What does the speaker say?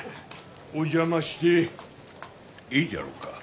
お邪魔してええじゃろうか。